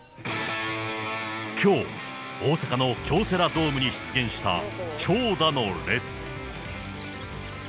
きょう、大阪の京セラドームに出現した長蛇の列。